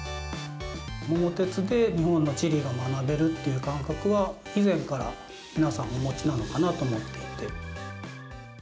桃鉄で日本の地理が学べるっていう感覚は、以前から皆さんお持ちなのかなと思っていて。